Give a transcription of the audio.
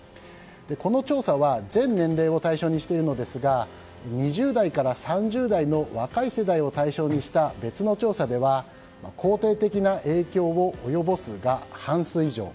この調査は全年齢を対象にしているんですが２０代から３０代の若い世代を対象にした別の調査では肯定的な影響を及ぼすが半数以上。